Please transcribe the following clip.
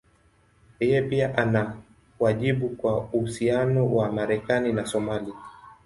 Yeye pia ana wajibu kwa uhusiano wa Marekani na Somalia.